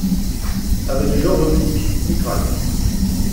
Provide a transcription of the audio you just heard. Avenue Jean Robic, Ytrac